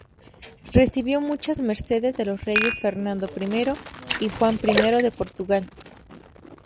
Recibió muchas mercedes de los reyes Fernando I y Juan I de Portugal.